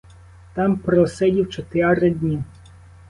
Там просидів чотири дні.